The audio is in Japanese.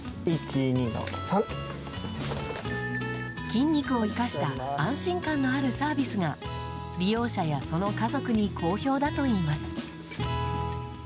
筋肉を生かした安心感のあるサービスが利用者やその家族に好評だといいます。